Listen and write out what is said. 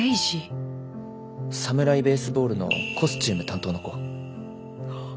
「サムライ・ベースボール」のコスチューム担当の子。